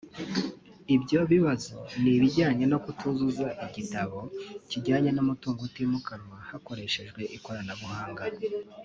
Ibyo bibazo ni ibijyanye no kutuzuza igitabo kijyanye n’umutungo utimukanwa hakoreshejwe ikoranabuhanga